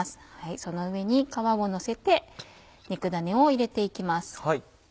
その上に皮をのせて肉ダネを入れて行きます。